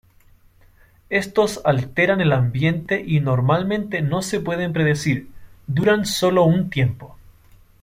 Estos alteran el ambiente y normalmente no se pueden predecir, duran solo un tiempo.